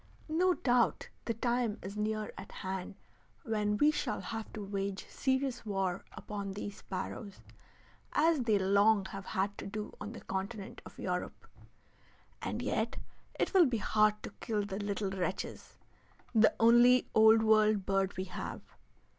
No doubt the time is near at hand when we shall have to wage serious war upon these sparrows, as they long have had to do on the continent of Europe. And yet it will be hard to kill the little wretches, the only Old World bird we have.